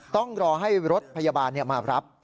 ต้องรอให้รถพยาบาลมารับ